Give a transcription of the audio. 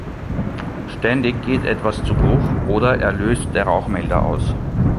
Ständig geht etwas zu Bruch oder er löst der Rauchmelder aus.